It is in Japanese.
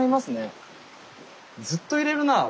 ずっといれるなあ